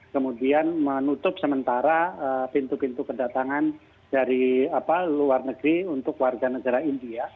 kemudian menutup sementara pintu pintu kedatangan dari luar negeri untuk warga negara india